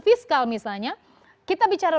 fiskal misalnya kita bicara